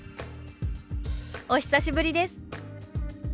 「お久しぶりです」。